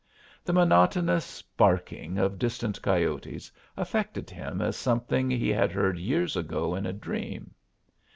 The monotonous barking of distant coyotes affected him as something he had heard years ago in a dream.